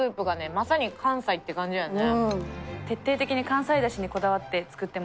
まさに関西って感じやね